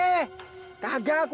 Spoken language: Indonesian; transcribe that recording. kagak gue kagak mau